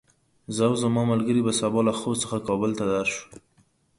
زه او زما ملګري به سبا ته له خوست څخه کابل ته درشو.